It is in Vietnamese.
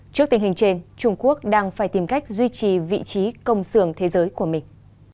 trước tình hình trên trung quốc đang phải tìm cách duy trì vị trí công sưởng thế giới của mình